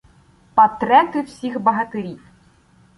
Патрети всіх багатирів: